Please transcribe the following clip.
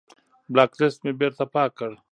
بلاک لست مې بېرته پاک کړ.